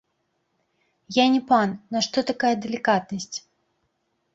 Я не пан, нашто такая далікатнасць?